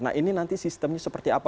nah ini nanti sistemnya seperti apa